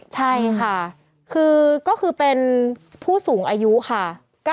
ใช่ค่ะคือก็คือเป็นผู้สูงอายุค่ะ